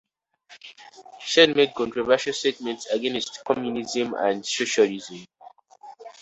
Sheen made controversial statements against communism and socialism.